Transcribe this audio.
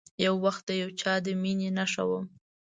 یو وخت د یو چا د میینې نښه وم